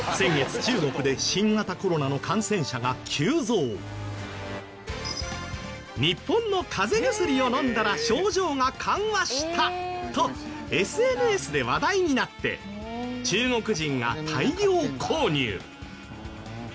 中国で日本の風邪薬を飲んだら症状が緩和したとＳＮＳで話題になって中国人が大量購入。